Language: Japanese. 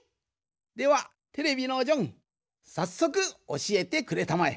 ではテレビのジョンさっそくおしえてくれたまえ。